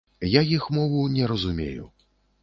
Я іх мову не разумею.